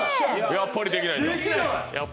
やっぱりできない。